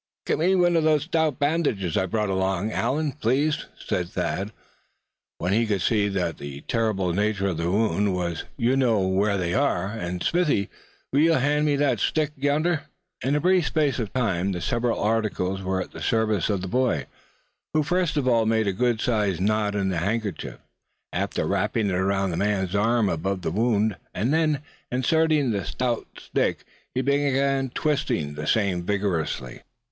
"Get me one of those stout bandages I brought along, Allan, please," said Thad, when he could see what the terrible nature of the wound was; "you know where they are. And Smithy, will you hand me that stick yonder?" In a brief space of time the several articles were at the service of the boy, who first of all made a good sized knot in the handkerchief, after wrapping it around the man's arm above the wound; and then, inserting the stout stick, he began twisting the same vigorously.